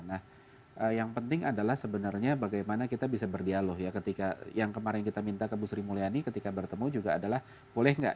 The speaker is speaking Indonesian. nah yang penting adalah sebenarnya bagaimana kita bisa berdialog ya ketika yang kemarin kita minta ke bu sri mulyani ketika bertemu juga adalah boleh nggak